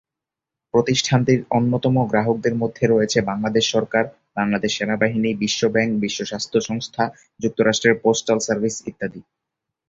প্রতিষ্ঠানটির অন্যতম গ্রাহকদের মধ্যে রয়েছে বাংলাদেশ সরকার, বাংলাদেশ সেনাবাহিনী, বিশ্ব ব্যাংক, বিশ্ব স্বাস্থ্য সংস্থা, যুক্তরাষ্ট্রের পোস্টাল সার্ভিস ইত্যাদি।